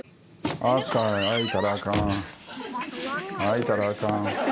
開いたらあかん。